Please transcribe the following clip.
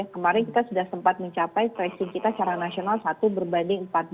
kemarin kita sudah sempat mencapai tracing kita secara nasional satu berbanding empat belas